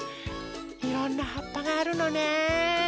いろんなはっぱがあるのね。